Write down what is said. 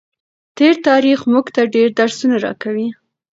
تېر تاریخ موږ ته ډېر درسونه راکوي.